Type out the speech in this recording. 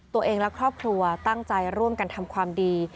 ตัวเองและครอบครัวตั้งใจร่วมกันทำความดี